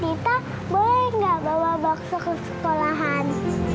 dita boleh gak bawa bakso ke sekolahan